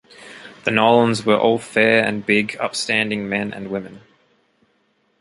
The Nolans were all fair and big, upstanding men and women.